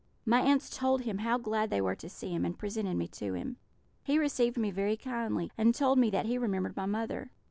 "My aunts told him how glad they were to see him, and presented me to him. He received me very kindly, and told me that he remembered my mother.